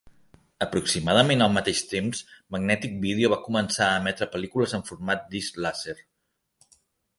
Aproximadament al mateix temps, Magnetic Video va començar a emetre pel·lícules en format de disc làser.